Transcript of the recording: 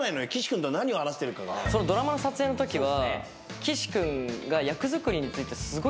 ドラマの撮影のときは。